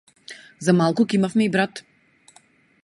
За малку ќе имавме и брат.